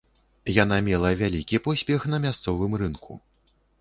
Яна мела вялікі поспех на мясцовым рынку.